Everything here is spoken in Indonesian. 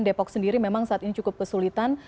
depok sendiri memang saat ini cukup kesulitan